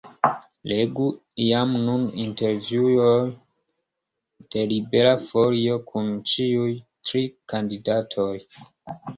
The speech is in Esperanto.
Legu jam nun intervjuojn de Libera Folio kun ĉiuj tri kandidatoj.